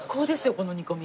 この煮込み。